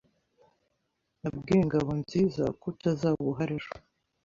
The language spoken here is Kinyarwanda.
Nabwiye Ngabonziza ko utazaba uhari ejo.